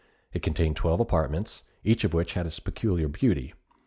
It contained twelve apartments, each of which had its peculiar beauty.